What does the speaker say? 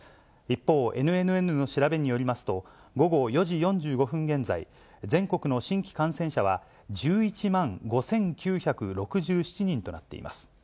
一方、ＮＮＮの調べによりますと、午後４時４５分現在、全国の新規感染者は１１万５９６７人となっています。